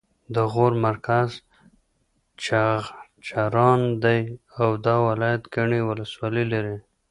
د غور مرکز چغچران دی او دا ولایت ګڼې ولسوالۍ لري